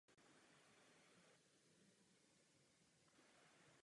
Mám ještě třetí a poslední poznámku.